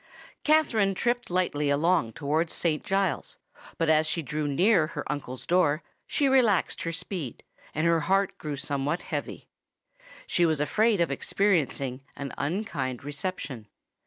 Katherine tripped lightly along towards Saint Giles's; but as she drew near her uncle's door, she relaxed her speed, and her heart grew somewhat heavy. She was afraid of experiencing an unkind reception.